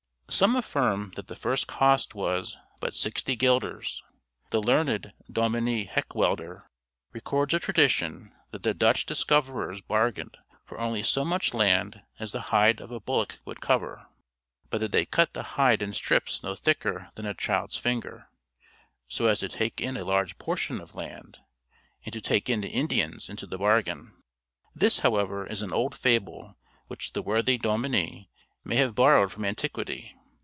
Some affirm that the first cost was, but sixty guilders. The learned Dominie Heckwelder records a tradition that the Dutch discoverers bargained for only so much land as the hide of a bullock would cover; but that they cut the hide in strips no thicker than a child's finger, so as to take in a large portion of land, and to take in the Indians into the bargain This, however, is an old fable which the worthy Dominie may have borrowed from antiquity.